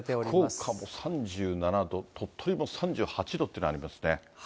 福岡も３７度、鳥取も３８度とありますね。